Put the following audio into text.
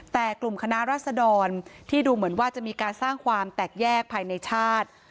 แต่กลุ่มคณะรัศดรที่ดูเหมือนว่าจะมีการสร้างความแตกแยกภายในชาติ